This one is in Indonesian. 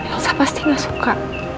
elsa pasti gak suka